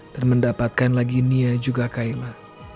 dan mendapatkan lagi nia juga kayla